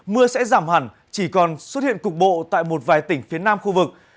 mưa sẽ giảm hẳn chỉ còn xuất hiện cục bộ tại một vài tỉnh phía nam khu vực